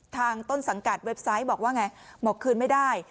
ต้นสังกัดเว็บไซต์บอกว่าไงบอกคืนไม่ได้